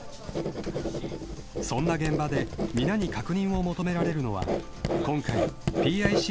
［そんな現場で皆に確認を求められるのは今回『ＰＩＣＵ』の医療監修を務める］